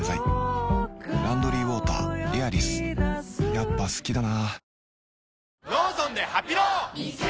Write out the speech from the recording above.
やっぱ好きだな